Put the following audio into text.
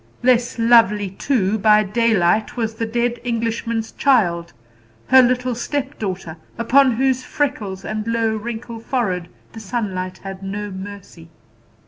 Less lovely, too, by daylight was the dead Englishman's child, her little stepdaughter, upon whose freckles and low, wrinkled forehead the sunlight had no mercy.